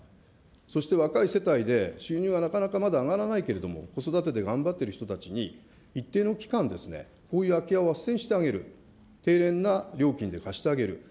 そして若い世帯で収入はなかなかまだ上がらないけれども、子育てで頑張っている人たちに、一定の期間、こういう空き家をあっせんしてあげる、低廉な料金で貸してあげる。